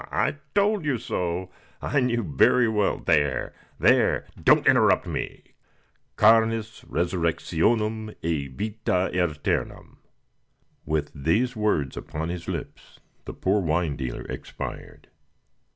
I told you so. I knew very well there there don't interrupt me Carnis resurrectionem et vitam eternam!" With these words upon his lips the poor wine dealer expired.